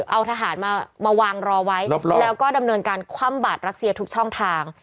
เอาทหารมาวางรอไว้แล้วก็ดำเนินการคว่ำบาดรัสเซียทุกช่องทาง